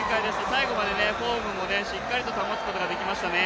最後までフォームもしっかりと保つことができましたね。